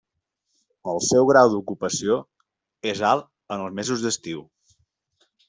El seu grau d'ocupació és alt en els mesos d'estiu.